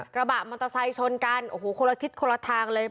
กระบะมอเตอร์ไซค์ชนกันโอ้โหคนละทิศคนละทางเลย